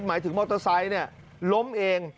หมายถึงมอเตอร์ไซค์ล้มเอง